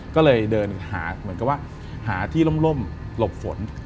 ก็เลยเดินหาเหมือนกับว่าหาที่ร่มหลบฝน